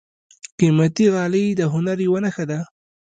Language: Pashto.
قیمتي غالۍ د هنر یوه نښه ده.